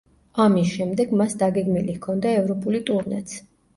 ამის შემდეგ მას დაგეგმილი ჰქონდა ევროპული ტურნეც.